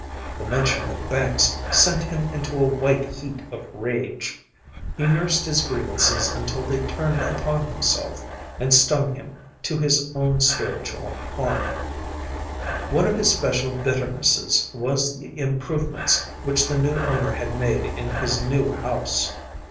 The mention of banks sent him into a white heat of rage. He nursed his grievances until they turned upon himself and stung him to his own spiritual harm. One of his special bitternesses was the improvements which the new owner had made in his new house.